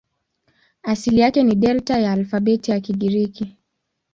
Asili yake ni Delta ya alfabeti ya Kigiriki.